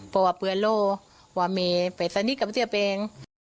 เพราะว่าเพื่อนโล่ว่าไม่ไปสนิทกับเธอเอง